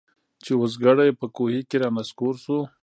چي اوزګړی په کوهي کي را نسکور سو